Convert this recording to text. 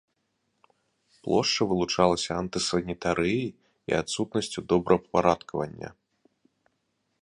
Плошча вылучалася антысанітарыяй і адсутнасцю добраўпарадкавання.